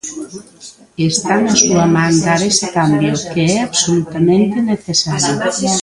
Está na súa man dar ese cambio, que é absolutamente necesario.